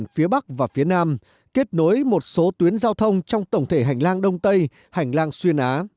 phía bắc và phía nam kết nối một số tuyến giao thông trong tổng thể hành lang đông tây hành lang xuyên á